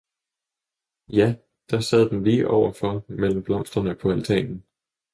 ja der sad den lige overfor mellem blomsterne på altanen.